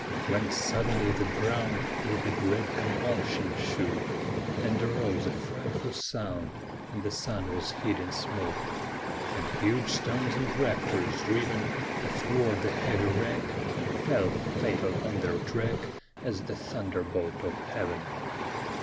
When suddenly the ground With a dread convulsion shook, And arose a frightful sound, And the sun was hid in smoke; And huge stones and rafters, driven Athwart the heavy rack, Fell, fatal on their track As the thunderbolt of Heaven.